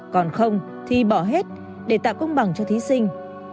còn không thì bỏ hết để tạo công bằng cho thí sinh